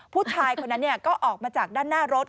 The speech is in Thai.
ผู้ชายคนนั้นก็ออกมาจากด้านหน้ารถ